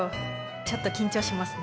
ちょっと緊張しますね。